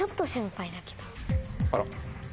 あら。